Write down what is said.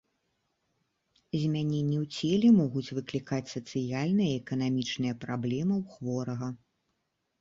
Змяненні ў целе могуць выклікаць сацыяльныя і эканамічныя праблемы ў хворага.